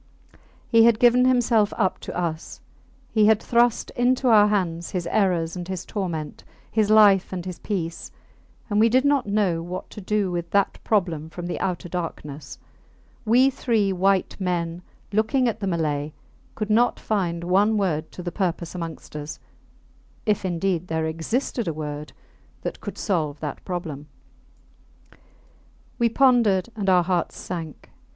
He had given himself up to us; he had thrust into our hands his errors and his torment, his life and his peace; and we did not know what to do with that problem from the outer darkness. We three white men, looking at the Malay, could not find one word to the purpose amongst us if indeed there existed a word that could solve that problem. We pondered, and our hearts sank.